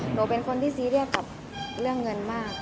หนูเป็นคนที่ซีเรียสกับเรื่องเงินมาก